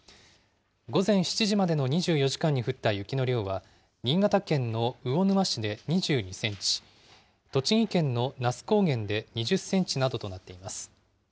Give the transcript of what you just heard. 午前７時までの２４時間に降った雪の量は、新潟県の魚沼市で２２センチ、栃木県の那須高原で２０センチなどとなっています。